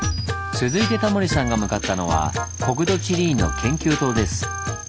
続いてタモリさんが向かったのは国土地理院の研究棟です。